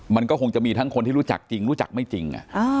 มันก็คงจะมีทั้งคนที่รู้จักจริงรู้จักไม่จริง